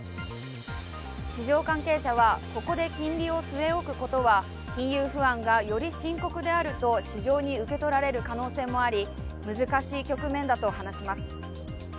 市場関係者は、ここで金利を据え置くことは金融不安がより深刻であると市場に受け取られる可能性もあり難しい局面だと話します。